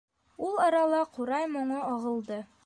Ул арала ҡурай моңо ағылды.